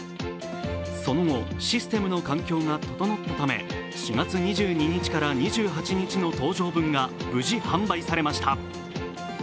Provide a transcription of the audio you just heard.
その後、システムの環境が整ったため、４月２２日から２８日の搭乗分が無事、販売されました。